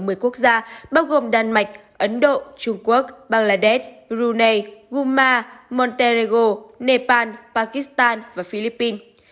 ở một mươi quốc gia bao gồm đan mạch ấn độ trung quốc bangladesh brunei guma monterrey nepal pakistan và philippines